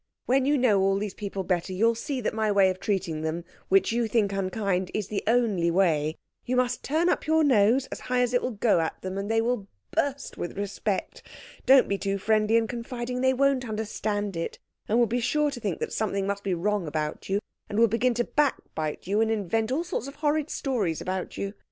When you know all these people better you'll see that my way of treating them, which you think unkind, is the only way. You must turn up your nose as high as it will go at them, and they will burst with respect. Don't be too friendly and confiding they won't understand it, and will be sure to think that something must be wrong about you, and will begin to backbite you, and invent all sorts of horrid stories about you.